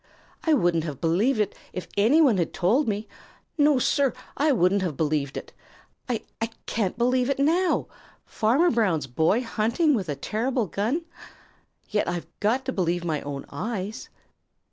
"I wouldn't have believed it if any one had told me. No, Sir, I wouldn't have believed it. I I can't believe it now. Farmer Brown's boy hunting with a terrible gun! Yet I've got to believe my own eyes."